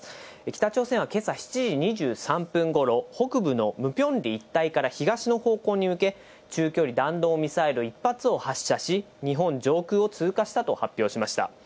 北朝鮮はけさ７時２３分ごろ、北部のムピョンリ一帯から東の方向に向け、中距離弾道ミサイル１発を発射し、日本上空を通過したと発表しました。